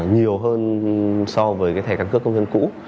nhiều hơn so với cái thẻ căn cước công dân cũ